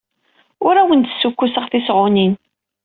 Ur awen-d-ssukkuneɣ tisɣunin.